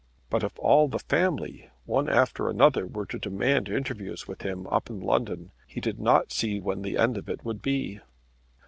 But if all the family, one after another, were to demand interviews with him up in London, he did not see when the end of it would be.